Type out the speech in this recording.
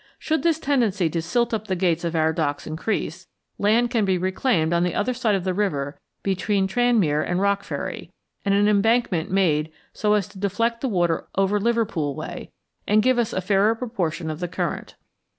Should this tendency to silt up the gates of our docks increase, land can be reclaimed on the other side of the river between Tranmere and Rock Ferry, and an embankment made so as to deflect the water over Liverpool way, and give us a fairer proportion of the current.